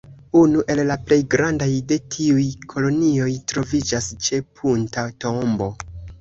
Unu el la plej grandaj de tiuj kolonioj troviĝas ĉe Punta Tombo.